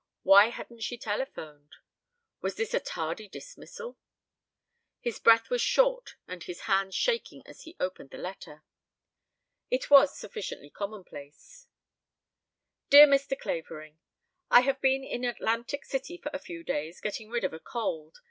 Why hadn't she telephoned? Was this a tardy dismissal? His breath was short and his hands shaking as he opened the letter. It was sufficiently commonplace. "Dear Mr. Clavering: "I have been in Atlantic City for a few days getting rid of a cold.